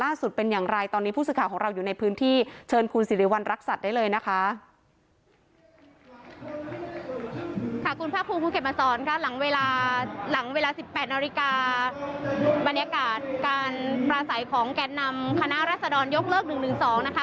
มาสอนค่ะหลังเวลาหลังเวลาสิบแปดนาฬิกาบรรยากาศการปราศัยของแก่นนำคณะรัศดรยกเลิกหนึ่งหนึ่งสองนะคะ